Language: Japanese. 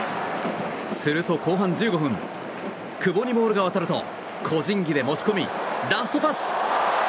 すると後半１５分久保にボールが渡ると個人技で持ち込みラストパス！